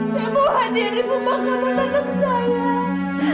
saya mau hadirin pemakaman anak anak saya